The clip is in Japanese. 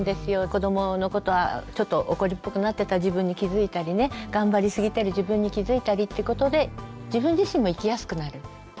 子どものことはちょっと怒りっぽくなってた自分に気付いたりね頑張りすぎてる自分に気付いたりってことで自分自身も生きやすくなるんですね。